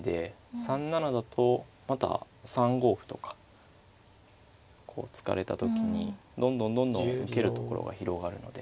３七だとまた３五歩とかこう突かれた時にどんどんどんどん受けるところが広がるので。